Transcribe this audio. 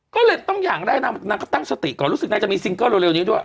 ก็เลยต้องอย่างแรกนางก็ตั้งสติก่อนรู้สึกนางจะมีซิงเกิลเร็วนี้ด้วย